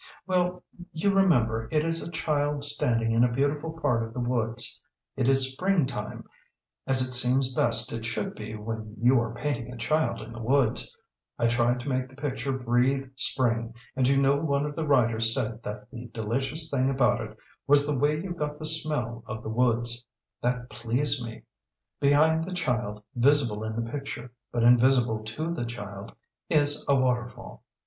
"Well, you remember it is a child standing in a beautiful part of the woods. It is spring time, as it seems best it should be when you are painting a child in the woods. I tried to make the picture breathe spring, and you know one of the writers said that the delicious thing about it was the way you got the smell of the woods; that pleased me. Behind the child, visible in the picture, but invisible to the child, is a waterfall.